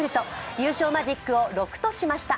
優勝マジックを６としました。